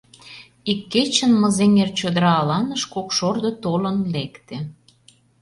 Ик кечын Мызеҥер чодыра аланыш кок шордо толын лекте.